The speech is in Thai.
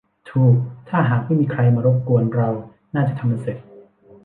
ถูก ถ้าหากไม่มีใครมารบกวนเราน่าจะทำมันเสร็จ